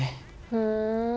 ふん。